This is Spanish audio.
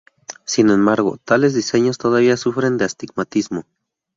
Sin embargo, tales diseños todavía sufren de astigmatismo.